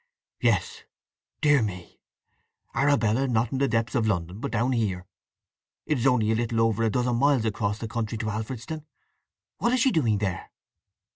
"Yes… Dear me! Arabella not in the depths of London, but down here! It is only a little over a dozen miles across the country to Alfredston. What is she doing there?"